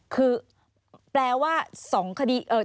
คือแปลว่า๒คดี